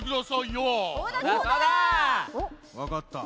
わかった。